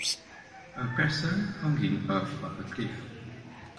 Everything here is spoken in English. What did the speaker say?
A person hanging off of a cliff.